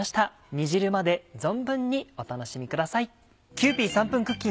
煮汁まで存分にお楽しみください。